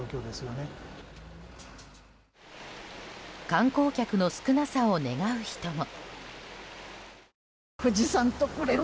観光客の少なさを願う人も。